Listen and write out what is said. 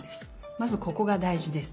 まずここがだいじです。